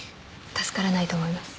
助からないと思います。